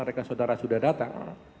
adakah saudara sudah datang